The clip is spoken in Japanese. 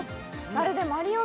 まるでマリオ